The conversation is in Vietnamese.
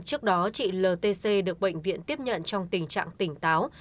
trước đó chị ltc được bệnh viện tiếp nhận trong tình trạng tỉnh táo